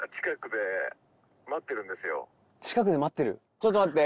ちょっと待って！